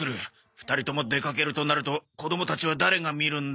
２人とも出かけるとなると子供たちは誰が見るんだ？